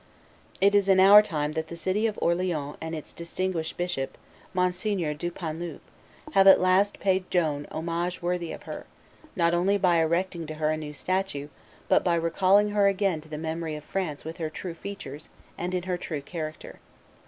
It is in our time that the city of Orleans and its distinguished bishop, Mgr. Dupanloup, have at last paid Joan homage worthy of her, not only by erecting to her a new statue, but by recalling her again to the memory of France with her true features, and in her grand character.